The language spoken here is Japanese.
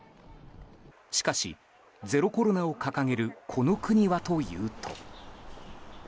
しかし、ゼロコロナを掲げるこの国はというと。